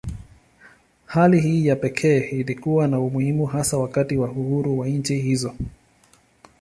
Hali hii ya pekee ilikuwa na umuhimu hasa wakati wa uhuru wa nchi hizo.